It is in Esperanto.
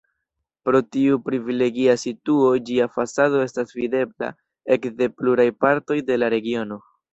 Pro tiu privilegia situo ĝia fasado estas videbla ekde pluraj partoj de la regiono.